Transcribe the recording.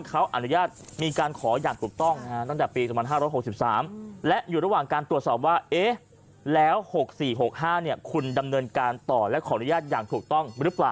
เขาอนุญาตมีการขออย่างถูกต้อง